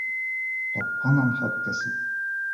Тапҡан анһат кәсеп!